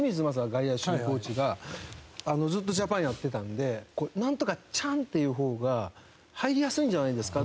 外野守備コーチがずっとジャパンやってたんで「“ナントカちゃん”っていう方が入りやすいんじゃないですか」